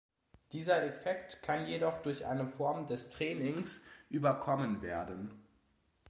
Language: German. Dieser Effekt kann jedoch durch eine Form des Trainings überkommen werden.